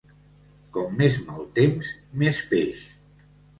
Com més mal temps, més peix.